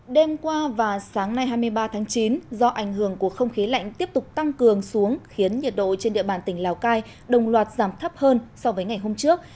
đêm qua và sáng nay hai mươi ba tháng chín do ảnh hưởng của không khí lạnh tiếp tục tăng cường xuống khiến nhiệt độ trên địa bàn tỉnh lào cai đồng loạt giảm thấp hơn so với ngày hôm trước